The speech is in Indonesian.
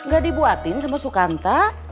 gak dibuatin sama sukanta